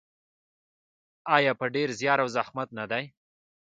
آیا په ډیر زیار او زحمت نه دی؟